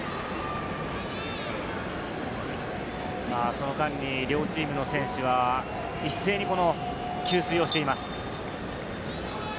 その間に両チームの選手は一斉に給水をしています。